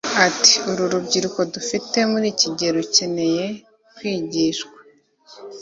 Ati “Uru rubyiruko dufite muri iki gihe rukeneye kwigishwa